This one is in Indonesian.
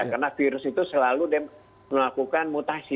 karena virus itu selalu dilakukan mutasi